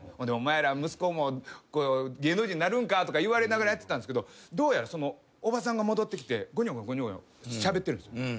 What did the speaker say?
お前ら息子も芸能人なるんか？とか言われながらやってたんですけどどうやらそのおばさんが戻ってきてごにょごにょごにょごにょしゃべってるんです。